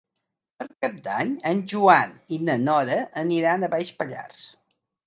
Per Cap d'Any en Joan i na Nora aniran a Baix Pallars.